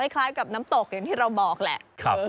คล้ายกับน้ำตกอย่างที่เราบอกแหละ